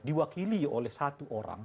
diwakili oleh satu orang